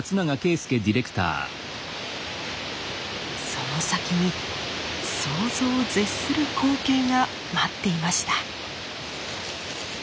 その先に想像を絶する光景が待っていました。